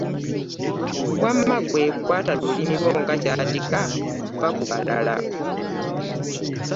Wamma ggwe kwata lulimi lwo nga kyatika vva ku balala.